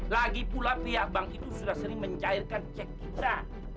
lagipula pihak bank itu sudah sering mencairkan cek kita